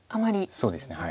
そうですね。